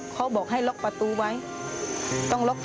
ใช่คือที่น้องเล่า